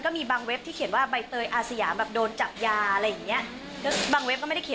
ก็มีอะไรอย่างนี้